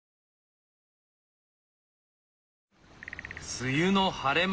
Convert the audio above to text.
梅雨の晴れ間